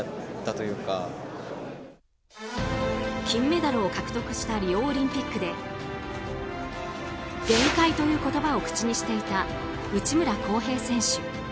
金メダルを獲得したリオオリンピックで限界という言葉を口にしていた内村航平選手。